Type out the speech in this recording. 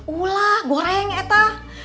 ulah goreng eta